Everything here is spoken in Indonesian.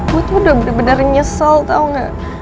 gue tuh udah bener bener nyesel tau gak